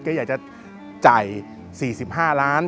ก็อยากจะจ่าย๔๕ล้าน